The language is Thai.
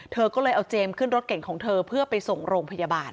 เธอก็เลยเอาเจมส์ขึ้นรถเก่งของเธอเพื่อไปส่งโรงพยาบาล